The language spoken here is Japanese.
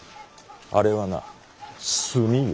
あれはな炭よ。